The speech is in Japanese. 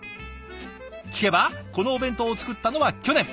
聞けばこのお弁当を作ったのは去年。